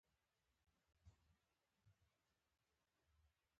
کاناډا د نرسانو اړتیا لري.